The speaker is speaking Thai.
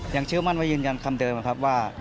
อย่างเชื้อมั่นว่ายืนยันคำเดิมครับว่า